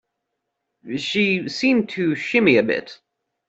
She seemed to shimmy a bit.